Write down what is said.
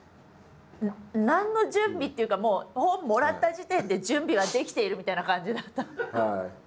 何の準備っていうかもう本もらった時点で準備はできているみたいな感じだった。